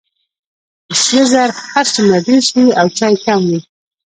که سره زر هر څومره ډیر شي او چای کم وي.